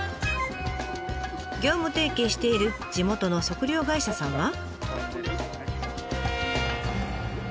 業務提携している地元の測量会社さんは。